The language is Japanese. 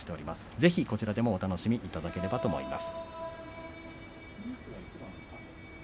ぜひこちらでもお楽しみいただければと思います。